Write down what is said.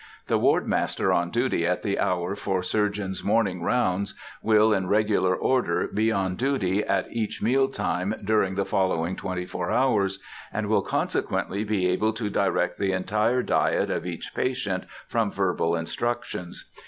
The ward master on duty at the hour for surgeons' morning rounds will, in regular order, be on duty at each meal time during the following twenty four hours, and will consequently be able to direct the entire diet of each patient from verbal instructions.